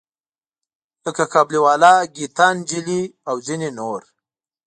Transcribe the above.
لکه کابلی والا، ګیتا نجلي او ځینې نور.